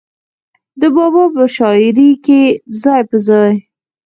د بابا پۀ شاعرۍ کښې ځای پۀ ځای